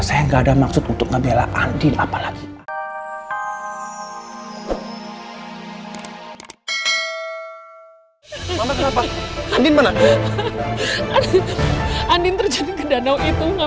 saya gak ada maksud untuk ngebela andin apalagi